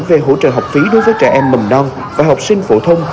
về hỗ trợ học phí đối với trẻ em mầm non và học sinh phổ thông